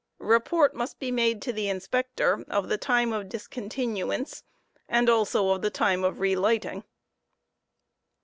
Beport* must be made to the Inspector of the time of discontinuance and also of the time of relighting.